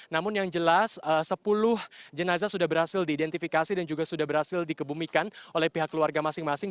namun yang jelas sepuluh jenazah sudah berhasil diidentifikasi dan juga sudah berhasil dikebumikan oleh pihak keluarga masing masing